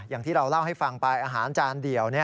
อย่างที่เราเล่าให้ฟังไปอาหารจานเดี่ยว